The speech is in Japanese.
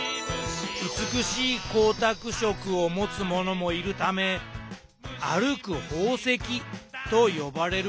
美しい光沢色を持つものもいるため歩く宝石と呼ばれることもあります。